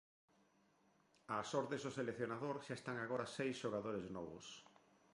Ás ordes do seleccionador xa están agora seis xogadores novos.